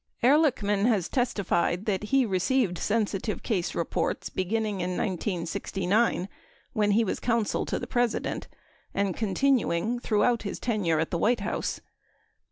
11 Ehrlichman has testified that he received sensitive case reports be ginning in 1969 when he was counsel to the President and continuing throughout his tenure at the White House.